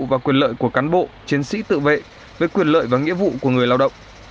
và quyền lợi của cán bộ chiến sĩ tự vệ với quyền lợi và nghĩa vụ của người lao động